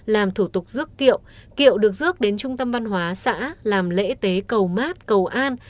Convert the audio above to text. làm thủ tục rước kiệu kiệu được rước đến trung tâm văn hóa xã làm lễ tế cầu mát cầu an